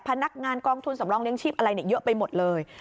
พนักงานกองทุนสำรองเลี้ยชีพอะไรเยอะไปหมดเลย